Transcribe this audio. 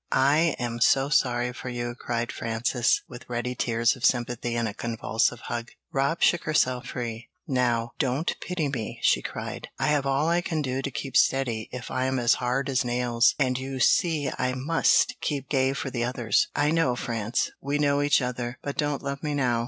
I am so sorry for you!" cried Frances, with ready tears of sympathy and a convulsive hug. Rob shook herself free. "Now, don't pity me!" she cried. "I have all I can do to keep steady if I am as hard as nails, and you see I must keep gay for the others. I know, France; we know each other, but don't love me now!